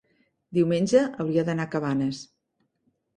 Diumenge hauria d'anar a Cabanes.